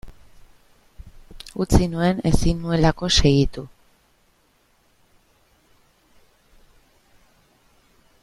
Utzi nuen ezin nuelako segitu.